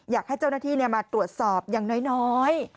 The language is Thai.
อยากให้เจ้าหน้าที่มาตรวจสอบอย่างน้อย